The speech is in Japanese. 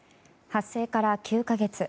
発生から９か月。